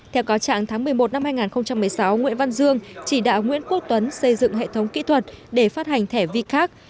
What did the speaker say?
theo cáo trạng tháng một mươi một năm hai nghìn một mươi sáu nguyễn văn dương chỉ đạo nguyễn quốc tuấn xây dựng hệ thống kỹ thuật để phát hành thẻ vi khác